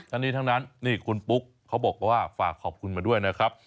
ทั้งนี้ทั้งนั้นนี่คุณปุ๊กเขาบอกว่าฝากขอบคุณมาด้วยนะครับ